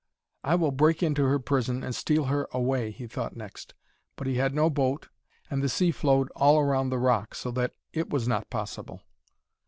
'I will break into her prison, and steal her away,' he thought next. But he had no boat, and the sea flowed all round the rock, so that it was not possible.